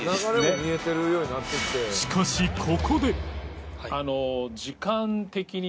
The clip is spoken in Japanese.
しかしここで